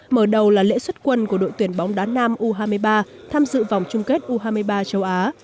mở đầu là lễ xuất quân của đội tuyển bóng đá nam u hai mươi ba tham dự vòng chung kết u hai mươi ba châu á